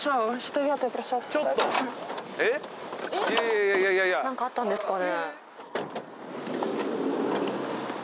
いやいやいやいや何かあったんですかね